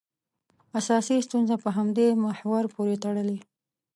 اساسي ستونزه په همدې محور پورې تړلې.